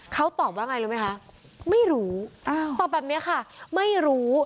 เขาตอบว่าไงรู้ไหมคะไม่รู้ตอบแบบนี้ค่ะไม่รู้